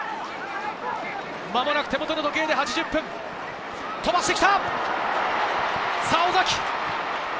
間もなく手元の時計で８０分、飛ばしてきた、尾崎。